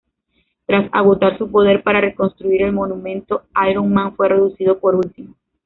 Tras agotar su poder para reconstruir el monumento, Iron Man fue reducido por Ultimo.